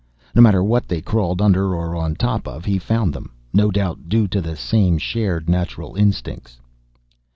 No matter what they crawled under or on top of, he found them. No doubt due to the same shared natural instincts.